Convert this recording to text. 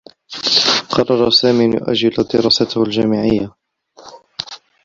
قرّر سامي أن يؤجّل دراسته الجامعيّة.